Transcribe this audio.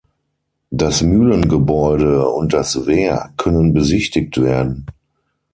Das Mühlengebäude und das Wehr können besichtigt werden.